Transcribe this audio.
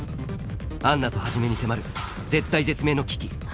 アンナと始に迫る絶体絶命の危機